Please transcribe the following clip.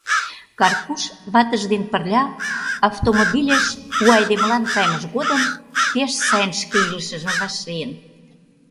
Карпуш ватыж дене пырля автомобилеш у айдемылан кайымыж годым пеш сайын шке илышыжым вашлийын...